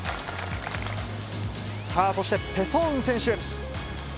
さあ、そしてペ・ソンウ選手。